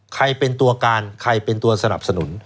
ใครเป็นตัวการใครเป็นตัวสนับสนุน